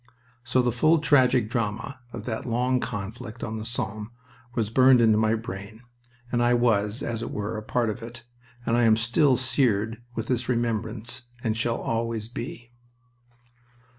So the full tragic drama of that long conflict on the Somme was burned into my brain and I was, as it were, a part of it, and I am still seared with its remembrance, and shall always be.